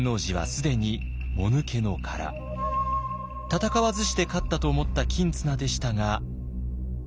戦わずして勝ったと思った公綱でしたが。